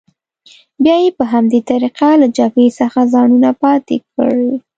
بیا یې په همدې طریقه له جبهې څخه ځانونه پاتې کړي.